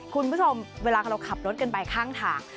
คุณผู้ชมเวลาเราขับรถกันไปข้างทาง